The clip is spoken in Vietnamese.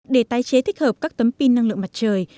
để tái chế thích hợp các tấm pin năng lượng mặt trời